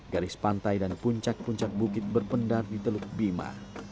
garis pantai dan puncak puncak bukit berpendar di teluk bima